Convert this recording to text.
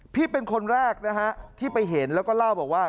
เป็นคนแรกนะฮะที่ไปเห็นแล้วก็เล่าบอกว่า